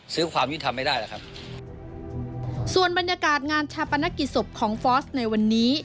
ซื้อความยื่นทำไม่ได้แล้วครับส่วนบรรยากาศงานชาปนักกิจศพของฟอสในวันนี้